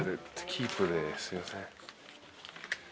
キープですいません。